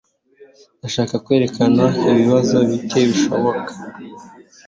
Ndashaka kwerekana ibibazo bike bishoboka